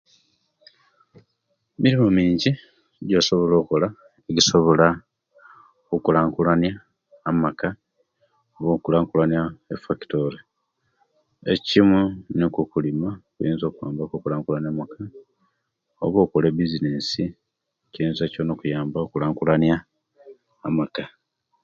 Emirimu minji ejosobola okola okulankulanya amaka nokulankulanya efactory ekimu nikwo okulima kiyinza okwamba ku okulankulan amaka go oba okola ebizinesi kiyinza kyona okuyamba okulankulanya amaka